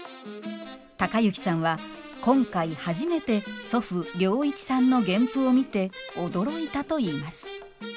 之さんは今回初めて祖父良一さんの原譜を見て驚いたといいます。